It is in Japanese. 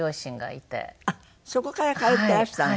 あっそこから通ってらしたの？